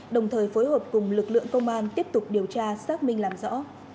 đồng thời phối hợp cùng lực lượng công an tiếp tục điều tra xác minh làm rõ